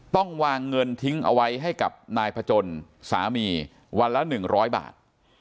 ต้องวางเงินทิ้งเอาไว้ให้กับนายพจนสามีวันละ๑๐๐บาท